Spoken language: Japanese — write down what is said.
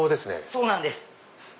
そうなんです。